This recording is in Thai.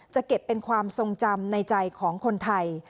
จะเก็บเป็นความทรงจำในใจของคนไทย